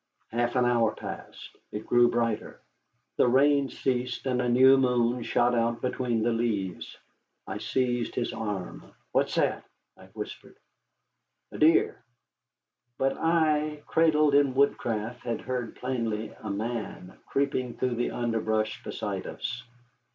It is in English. Half an hour passed. It grew brighter. The rain ceased, and a new moon shot out between the leaves. I seized his arm. "What's that?" I whispered. "A deer." But I, cradled in woodcraft, had heard plainly a man creeping through the underbrush beside us.